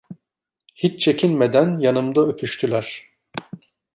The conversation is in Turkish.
Hiç çekinmeden yanımda öpüştüler.